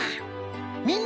みんな！